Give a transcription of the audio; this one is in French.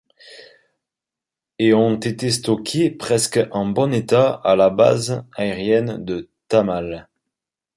Et ont été stockés presque en bon état à la base aérienne de Tamale.